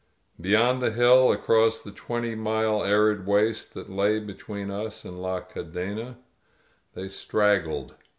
Beyond the hill, across the twenty mile arid waste that lay between us and La Cadena, they straggled.